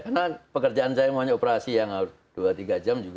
karena pekerjaan saya mohonnya operasi yang dua tiga jam juga itu juga mengalami juga